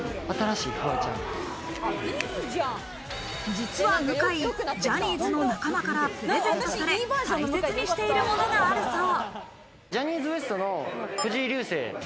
実は向井、ジャニーズの仲間からプレゼントされ、大切にしているものがあるそう。